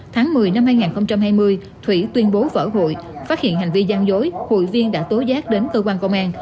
tháng một mươi năm hai nghìn hai mươi thủy tuyên bố vỡ hội phát hiện hành vi gian dối hội viên đã tố giác đến cơ quan công an